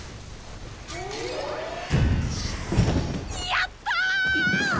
やった！